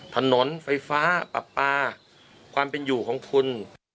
ถนนไฟฟ้าปรับปลาความเป็นอยู่ของคุณ